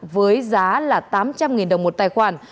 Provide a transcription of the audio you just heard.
với giá là tám trăm linh đồng một tài khoản